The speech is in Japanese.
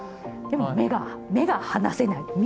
でも目が離せない。